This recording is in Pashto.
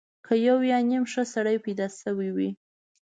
که یو یا نیم ښه سړی پیدا شوی وي.